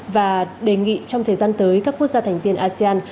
và đề nghị trong thời gian tới các quốc gia thành viên asean